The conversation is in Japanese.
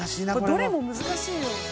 どれも難しいよ。